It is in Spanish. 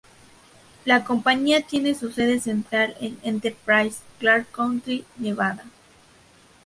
La compañía tiene su sede central en Enterprise, Clark County, Nevada.